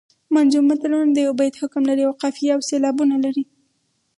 منظوم متلونه د یوه بیت حکم لري او قافیه او سیلابونه لري